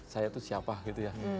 saya itu siapa gitu ya